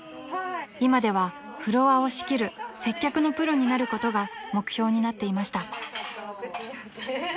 ［今ではフロアを仕切る接客のプロになることが目標になっていました］